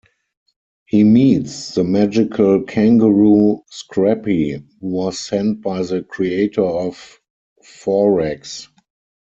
He meets the magical kangaroo Scrappy, who was sent by the creator of Fourecks.